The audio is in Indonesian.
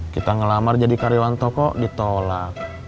kita ngelamar jadi karyawan toko ditolak